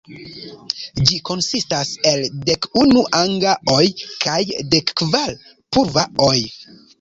Ĝi konsistas el dek unu "anga-oj" kaj dek kvar "purva-oj".